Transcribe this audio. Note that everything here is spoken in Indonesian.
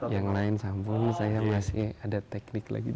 yang lain sambung saya masih ada teknik lagi